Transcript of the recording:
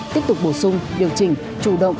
tiếp tục bổ sung điều chỉnh chủ động